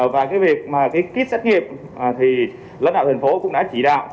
và cái việc mà cái kít sách nghiệp thì lãnh đạo tp hcm cũng đã chỉ đạo